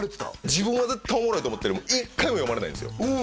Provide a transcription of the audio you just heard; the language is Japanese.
自分は絶対おもろいと思ってても１回も読まれないんですよ